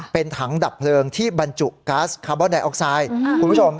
เป็นถังดับเพลิงที่บรรจุก๊าซคาร์บอนไดออกไซด์คุณผู้ชม